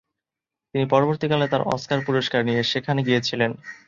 তিনি পরবর্তী কালে তার অস্কার পুরস্কার নিয়ে সেখানে গিয়েছিলেন।